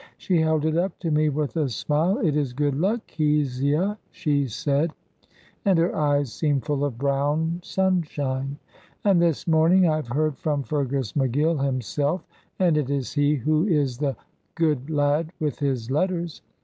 She held it up to me with a smile. 'It is good luck, Kezia,' she said, and her eyes seemed full of brown sunshine, 'and this morning I have heard from Fergus McGill himself, and it is he who is the guid lad with his letters.